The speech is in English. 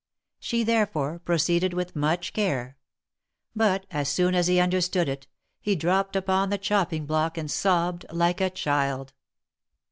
She, therefore, proceeded with much care; but, as soon as he understood it, he dropped upon the chopping block and sobbed like a child.